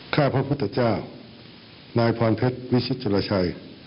ข้าพระพุทธเจ้านายพรเพชรวิชิตจุลชัย